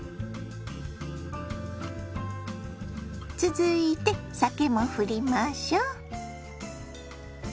続いて酒もふりましょ。